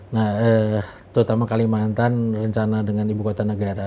nah terutama kalimantan rencana dengan ibu kota negara